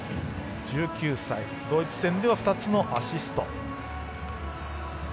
１９歳、ドイツ戦では２つのアシスト。